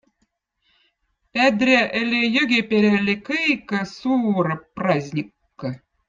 Pädrä õli Jõgõperälle kõikka suurõp praaznikkõ.